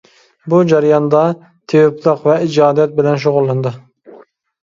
بۇ جەرياندا تېۋىپلىق ۋە ئىجادىيەت بىلەن شۇغۇللىنىدۇ.